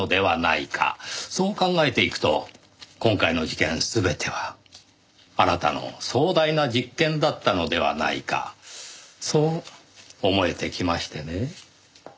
そう考えていくと今回の事件全てはあなたの壮大な実験だったのではないかそう思えてきましてね。